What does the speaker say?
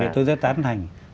tôi rất tán thành